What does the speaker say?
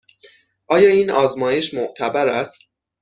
آیا این آزمایش معتبر است؟